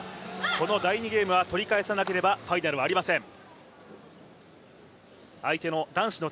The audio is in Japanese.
この第２ゲームは取り返さなければファイナルはありません。